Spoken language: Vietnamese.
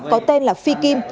có tên là phi kim